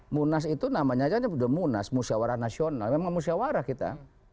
munas itu namanya aja udah munas musyawarah nasional memang musyawarah kita